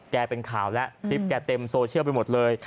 เป็นข่าวแล้วคลิปแกเต็มโซเชียลไปหมดเลย